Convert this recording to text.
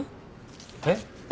えっ？